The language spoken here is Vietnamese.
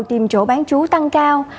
tìm chỗ bán trú tăng cao